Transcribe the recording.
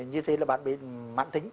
như thế là bạn bị mạng tính